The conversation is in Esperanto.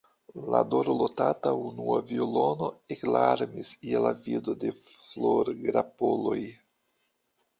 La dorlotata unua violono eklarmis je la vido de florgrapoloj.